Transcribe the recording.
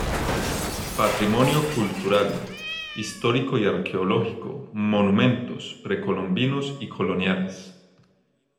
Patrimonio cultural: histórico y arqueológico, monumentos precolombinos y coloniales.